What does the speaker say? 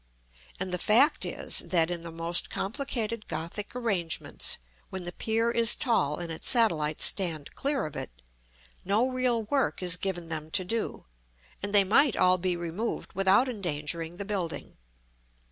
And the fact is, that in the most complicated Gothic arrangements, when the pier is tall and its satellites stand clear of it, no real work is given them to do, and they might all be removed without endangering the building.